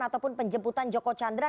ataupun penjemputan joko candra